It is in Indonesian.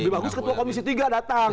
lebih bagus ketua komisi tiga datang